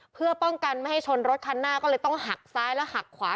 เพื่อป้องกันไม่ให้ชนรถคันหน้าก็เลยต้องหักซ้ายแล้วหักขวา